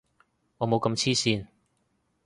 我冇咁黐線